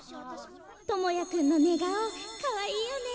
智也くんのねがおかわいいよね。